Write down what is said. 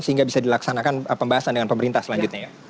sehingga bisa dilaksanakan pembahasan dengan pemerintah selanjutnya ya